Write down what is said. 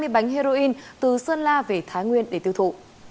hai mươi bánh heroin từ sơn la về thái nguyên để tiêu thụ